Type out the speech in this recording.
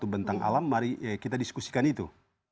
bentang alam mari kita diskusikan itu